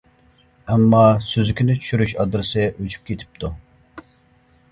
ئەمما سۈزۈكىنى چۈشۈرۈش ئادرېسى ئۆچۈپ كېتىپتۇ.